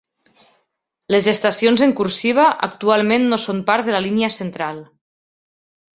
Les estacions en cursiva actualment no son part de la línia Central.